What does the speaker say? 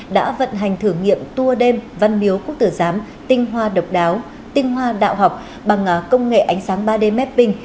đã vận hành thử nghiệm tour đêm văn miếu quốc tử giám tinh hoa độc đáo tinh hoa đạo học bằng công nghệ ánh sáng ba d mapping